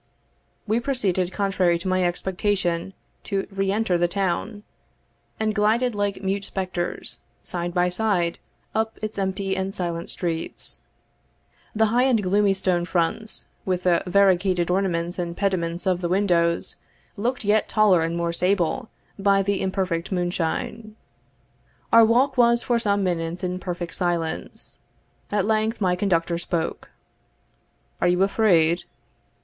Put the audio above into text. We proceeded, contrary to my expectation, to re enter the town, and glided like mute spectres, side by side, up its empty and silent streets. The high and gloomy stone fronts, with the variegated ornaments and pediments of the windows, looked yet taller and more sable by the imperfect moonshine. Our walk was for some minutes in perfect silence. At length my conductor spoke. "Are you afraid?"